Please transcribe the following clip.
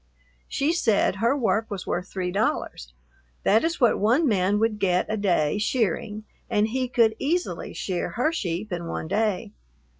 She said her work was worth three dollars, that is what one man would get a day shearing, and he could easily shear her sheep in one day.